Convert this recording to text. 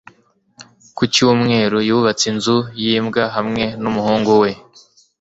Ku cyumweru, yubatse inzu y’imbwa hamwe n’umuhungu we.